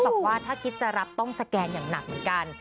บอกว่าถ้าคิดจะรับต้องสแกนอย่างหนักเหมือนกัน